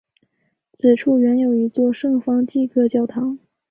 此处原有一座圣方济各教堂。